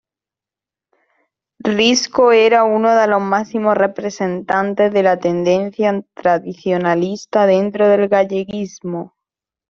Risco era uno de los máximos representantes de la tendencia tradicionalista dentro del galleguismo.